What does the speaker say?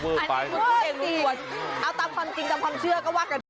เอาตามความจริงตามความเชื่อก็ว่ากัน